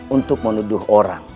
untuk menuduh orang